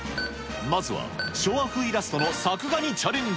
まずは昭和風イラストの作画にチャレンジ。